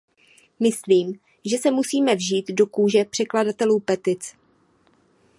Myslím, že se musíme vžít do kůže předkladatelů petic.